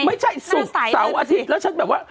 ไม่ใช่สุขสาวอาทิตย์แล้วฉันแบบว่า